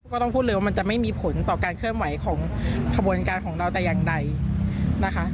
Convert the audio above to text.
ก็ต้องพูดเลยว่ามันจะไม่มีผลต่อการเคลื่อนไหวของขบวนการของเราแต่อย่างใดนะคะ